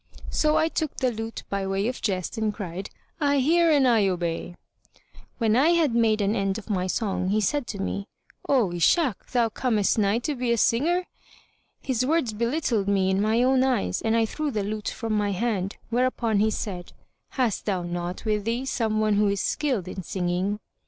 So I took the lute by way of jest, and cried, "I hear and I obey." When I had made an end of my song, he said to me, "O Ishak, thou comest nigh to be a singer!" His words belittled me in mine own eyes and I threw the lute from my hand, whereupon he said, "Hast thou not with thee some one who is skilled in singing?"